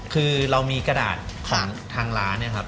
คือเรามีกระดาษของทางร้านเนี่ยครับ